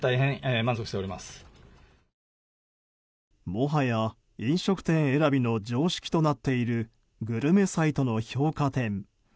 もはや飲食店選びの常識となっているグルメサイトの評価点。